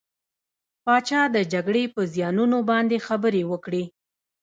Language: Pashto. پاچا د جګرې په زيانونو باندې خبرې وکړې .